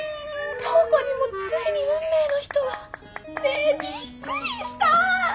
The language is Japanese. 涼子にもついに運命の人が！？ねえびっくりした！